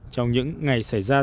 trong những ngày xảy ra rét